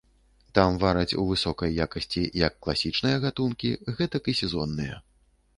Там вараць у высокай якасці як класічныя гатункі, гэтак і сезонныя.